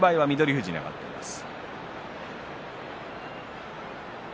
富士に上がっています。